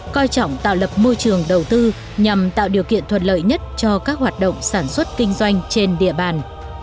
coi trọng tạo lập môi trường đầu tư nhằm tạo điều kiện thuận lợi nhất cho các hoạt động sản xuất kinh doanh trên địa bàn